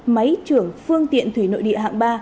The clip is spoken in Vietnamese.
máy trưởng phương tiện thủy nội địa hạng ba